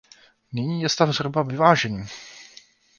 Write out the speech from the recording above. Nyní je stav zhruba vyvážený.